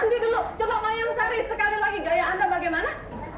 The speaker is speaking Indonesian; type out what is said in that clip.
nasi dulu coba yang sekali sekali lagi gaya anda bagaimana